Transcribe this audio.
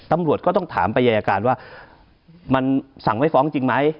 ตำรวจก็ต้องถามไปอายการว่ามันสั่งไม่ฟ้องจริงไหม